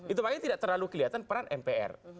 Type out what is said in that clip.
itu makanya tidak terlalu kelihatan peran mpr